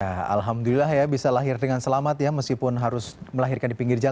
ya alhamdulillah ya bisa lahir dengan selamat ya meskipun harus melahirkan di pinggir jalan